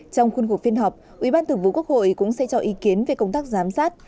trong khuôn cuộc phiên họp ủy ban thường vụ quốc hội cũng sẽ cho ý kiến về công tác giám sát